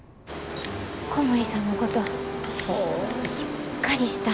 小森さんのことしっかりしたええ